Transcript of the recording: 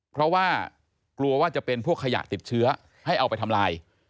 เพราะว่ากลัวว่าจะเป็นพวกขยะติดเชื้อให้เอาไปทำลาย